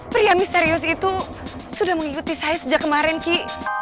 pria misterius itu sudah mengikuti saya sejak kemarin ki